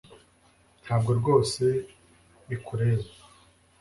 Ntabwo rwose bikureba